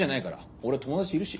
俺友達いるし！